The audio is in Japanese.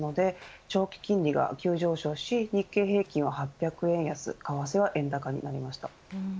長期金利が急上昇し日経平均は８００円安為替は円高になりました。